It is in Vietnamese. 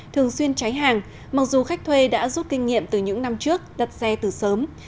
thường xuyên cháy hàng mặc dù khách thuê đã rút kinh nghiệm từ những năm trước đặt xe từ sớm